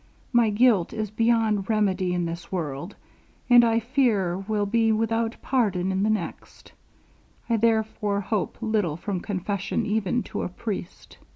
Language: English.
My guilt is beyond remedy in this world, and I fear will be without pardon in the next; I therefore hope little from confession even to a priest.